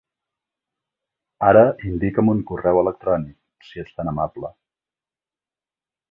Ara indica'm un correu electrònic, si ets tan amable.